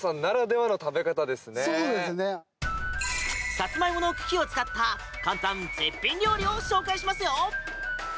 サツマイモの茎を使った簡単絶品料理を紹介しますよ。